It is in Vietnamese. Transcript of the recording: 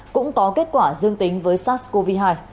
cũng có kết quả dương tính với sars cov hai